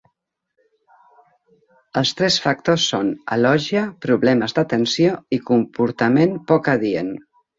Els tres factors són: alògia, problemes d'atenció i comportament poc adient.